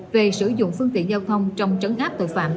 về sử dụng phương tiện giao thông trong trấn áp tội phạm